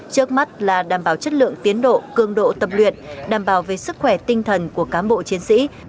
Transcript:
trước mắt là đảm bảo chất lượng tiến độ cương độ tập luyện đảm bảo về sức khỏe tinh thần của cán bộ chiến sĩ